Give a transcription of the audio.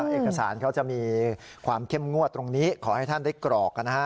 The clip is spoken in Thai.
เอกสารเขาจะมีความเข้มงวดตรงนี้ขอให้ท่านได้กรอกนะฮะ